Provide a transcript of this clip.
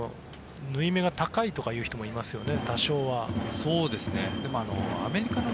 縫い目が高いという人もいますよね。